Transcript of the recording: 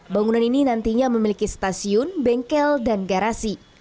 bangunan ini nantinya memiliki stasiun bengkel dan garasi